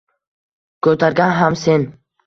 Ko’targan ham sen